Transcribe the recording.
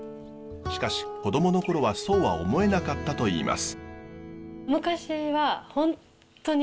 しかし子供の頃はそうは思えなかったといいます。